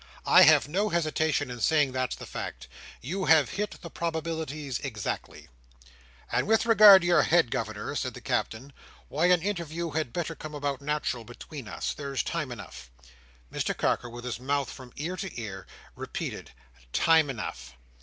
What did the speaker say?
"I have no hesitation in saying, that's the fact. You have hit the probabilities exactly." "And with regard to your head Governor," said the Captain, "why an interview had better come about nat'ral between us. There's time enough." Mr Carker, with his mouth from ear to ear, repeated, "Time enough."